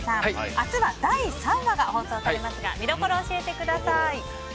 明日は第３話が放送されますが見どころを教えてください。